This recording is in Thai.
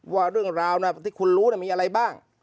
ว่าเรื่องราวที่คุณรู้มีอะไรบ้าง